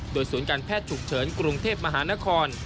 โดยศูนย์การแพทย์ฉุกเฉินกรุงเทพมหานคร